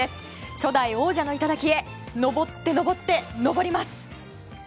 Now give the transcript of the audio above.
初代王者の頂へ登って登って登ります。